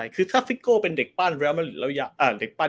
คือถ้าโซลแคมเบลเป็นเด็กปั้น